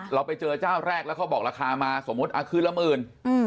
เราไปเจอเจ้าแรกแล้วเขาบอกราคามาสมมุติคืนละหมื่น